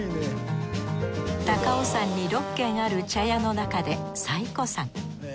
高尾山に６軒ある茶屋の中で最古参。